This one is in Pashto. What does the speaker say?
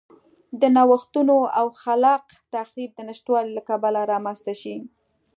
د نوښتونو او خلاق تخریب د نشتوالي له کبله رامنځته شي.